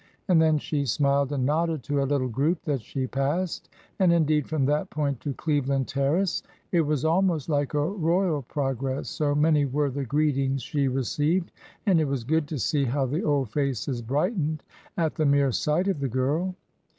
And then she smiled and nodded to a little group that she passed; and, indeed, from that point to Cleveland Terrace it was almost like a Royal progress, so many were the greetings she received, and it was good to see how the old faces brightened at the mere sight of the girl.